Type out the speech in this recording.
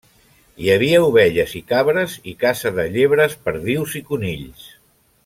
Hi havia ovelles i cabres, i caça de llebres, perdius i conills.